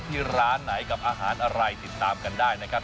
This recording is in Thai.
ที่ร้านไหนกับอาหารอะไรติดตามกันได้นะครับ